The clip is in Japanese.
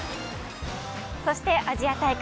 そしてアジア大会